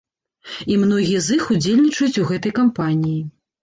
І многія з іх удзельнічаюць у гэтай кампаніі.